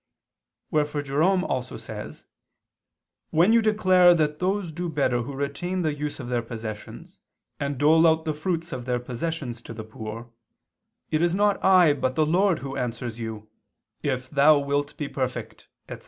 Wherefore Jerome also says (Contra Vigilant.): "When you declare that those do better who retain the use of their possessions, and dole out the fruits of their possessions to the poor, it is not I but the Lord Who answers you; If thou wilt be perfect," etc.